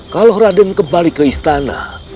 kalau radim kembali ke istana